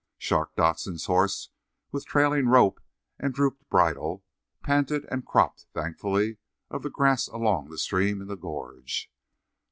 Shark Dodson's horse, with trailing rope and dropped bridle, panted and cropped thankfully of the grass along the stream in the gorge.